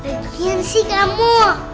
bagian sih kamu